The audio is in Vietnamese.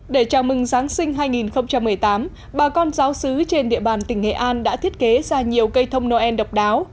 để chào mừng giáng sinh hai nghìn một mươi tám bà con giáo sứ trên địa bàn tỉnh nghệ an đã thiết kế ra nhiều cây thông noel độc đáo